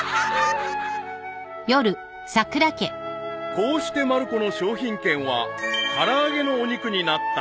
［こうしてまる子の商品券は唐揚げのお肉になった］